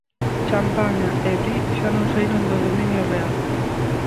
Champaña e Brie xa non saíron do dominio real.